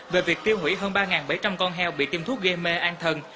về việc tiêu hủy hơn ba bảy trăm linh con heo bị tiêm thuốc gây mê an thần